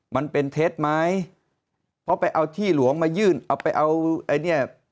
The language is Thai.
มันเป็นเท็จไหมเพราะไปเอาที่หลวงมายื่นเอาไปเอาไอ้เนี่ย